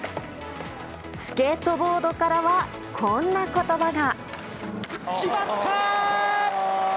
スケートボードからはこんな言葉が。